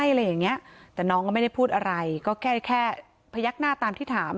อะไรอย่างเงี้ยแต่น้องก็ไม่ได้พูดอะไรก็แค่แค่พยักหน้าตามที่ถาม